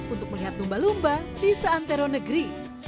untuk melihat lumba lumba di seantero negeri